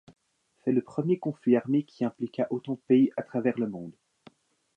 C'est le premier conflit armé qui impliqua autant de pays à travers le monde.